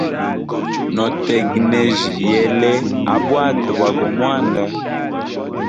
No tegnejya yele a bwata bwa go mwanda.